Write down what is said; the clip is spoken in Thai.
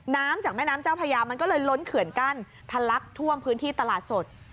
น้ำจากแม่น้ำเจ้าพญามันก็เลยล้นเขื่อนกั้นทะลักท่วมพื้นที่ตลาดสด